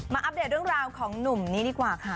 อัปเดตเรื่องราวของหนุ่มนี้ดีกว่าค่ะ